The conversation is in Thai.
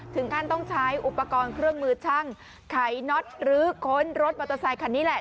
ถึงขั้นต้องใช้อุปกรณ์เครื่องมือช่างไขน็อตหรือค้นรถมอเตอร์ไซคันนี้แหละ